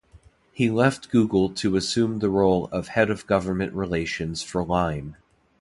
He left Google to assume the role of head of government relations for Lime.